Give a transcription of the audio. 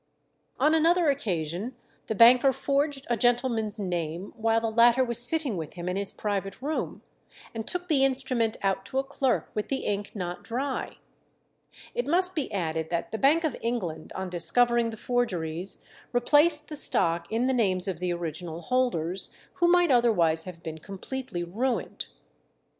On another occasion the banker forged a gentleman's name while the latter was sitting with him in his private room, and took the instrument out to a clerk with the ink not dry. It must be added that the Bank of England, on discovering the forgeries, replaced the stock in the names of the original holders, who might otherwise have been completely ruined.